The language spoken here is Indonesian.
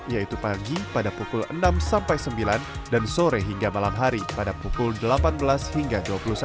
yaitu pagi pada pukul enam sampai sembilan dan sore hingga malam hari pada pukul delapan belas hingga dua puluh satu